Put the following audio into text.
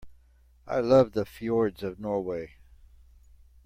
I love the fjords of Norway.